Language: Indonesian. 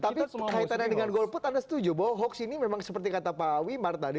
tapi kaitannya dengan golput anda setuju bahwa hoax ini memang seperti kata pak wimar tadi